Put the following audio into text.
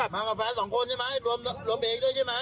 มากับแฟนสองคนใช่ไหมรวมเองด้วยใช่ไหม